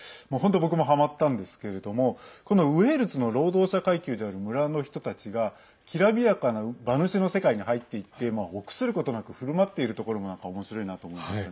僕も、はまったんですけどもこのウェールズの労働者階級である村の人たちがきらびやかな馬主の世界に入っていって臆することなくふるまっているところもなんかおもしろいなと思いましたね。